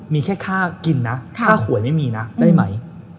มีแค่ค่ากินน่ะค่าข่วยไม่มีได้มั้ย